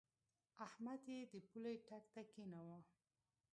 احمد يې د پولۍ ټک ته کېناوو.